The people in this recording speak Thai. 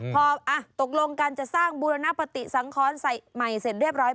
พอตกลงการจะสร้างบูรณปฏิสังครใหม่เสร็จเรียบร้อย